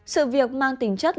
sự việc mang tính chất